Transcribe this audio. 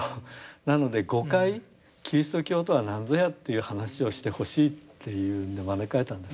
なので５回キリスト教とは何ぞやという話をしてほしいというので招かれたんです。